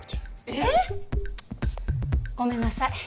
えっ！？ごめんなさい。